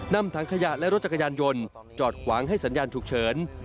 นำถังขยะและรถจักรยานยนต์จอดขวางให้สัญญาณฉุกเฉิน